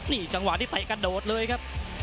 นี่จังหวะที่เตะกระโดดเลยครับ